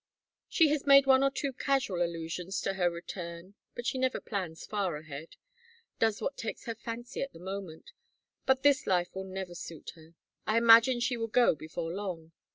"She has made one or two casual allusions to her return, but she never plans far ahead does what takes her fancy at the moment. But this life will never suit her. I imagine she will go before long.